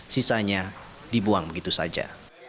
sisanya dibuang begitu saja